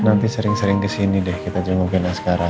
nanti sering sering kesini deh kita jengukin asgara